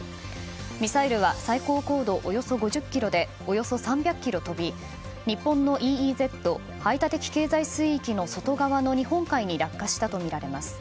ミサイルは最高高度およそ５０ｋｍでおよそ３００ｋｍ飛び日本のＥＥＺ・排他的経済水域の外側の日本海に落下したとみられます。